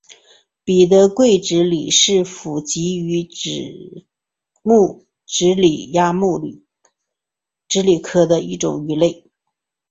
彼得桂脂鲤是辐鳍鱼纲脂鲤目脂鲤亚目鲑脂鲤科的一种鱼类。